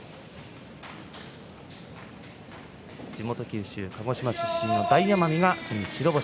地元九州鹿児島出身の大奄美が初日白星。